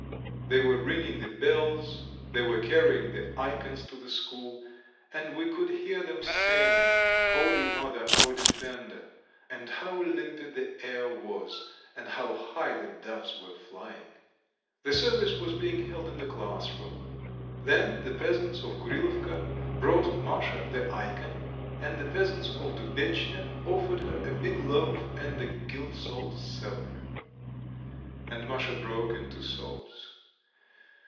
They were ringing the bells, they were carrying the ikons to the school, and we could hear them sing: "Holy Mother, our Defender," and how limpid the air was, and how high the doves were flying. The service was being held in the classroom. Then the peasants of Kurilovka brought Masha the ikon, and the peasants of Dubetchnya offered her a big loaf and a gilt salt cellar. And Masha broke into sobs.